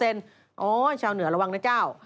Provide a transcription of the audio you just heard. โอ้โฮชาวเหนือระวังนะเจ้า